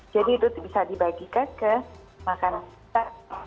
jadi itu bisa dibagikan ke makanan kita